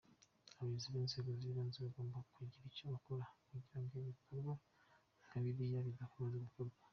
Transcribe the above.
Abayobozi b’inzego zibanze bagomba kugira icyo bakora kugirango ibikorwa nka biriya bidakomeza gukorwa .